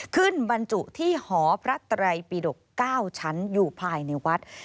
บรรจุที่หอพระไตรปิดก๙ชั้นอยู่ภายในวัด